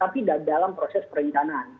tapi dalam proses perencanaan